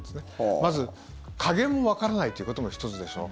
まず加減もわからないということも１つでしょう。